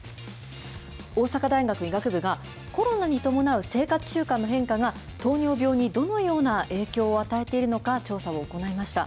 大阪大学医学部が、コロナに伴う生活習慣の変化が、糖尿病にどのような影響を与えているのか、調査を行いました。